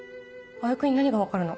蒼君に何が分かるの？